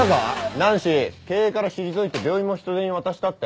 ナンシー経営から退いて病院も人手に渡したって。